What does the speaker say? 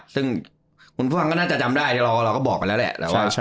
ซึ่งคุณผู้หญิงก็น่าจะจำได้เราก็บอกกันแล้วแหละ